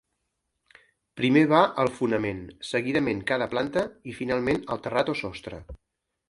Primer va el fonament, seguidament cada planta, i finalment el terrat o sostre.